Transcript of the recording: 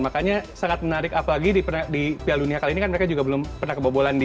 makanya sangat menarik apalagi di piala dunia kali ini kan mereka juga belum pernah kebobolan di